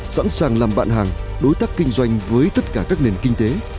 sẵn sàng làm bạn hàng đối tác kinh doanh với tất cả các nền kinh tế